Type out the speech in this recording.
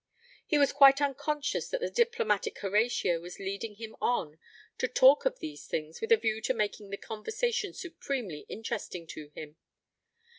He was quite unconscious that the diplomatic Horatio was leading him on to talk of these things, with a view to making the conversation supremely interesting to him.